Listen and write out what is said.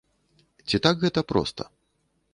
Ці так гэта проста?